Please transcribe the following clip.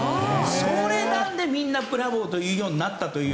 それなんでみんなブラボーと言うようになったと。